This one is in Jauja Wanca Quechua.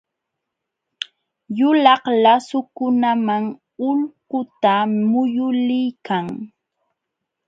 Yulaq lasukunam ulquta muyuliykan.